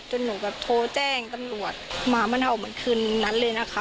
หนูแบบโทรแจ้งตำรวจหมามันเห่าเหมือนคืนนั้นเลยนะคะ